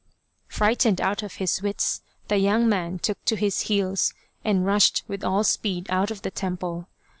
Frightened out of his wits, the young man took to his heels, and rushed with all speed out of the temple.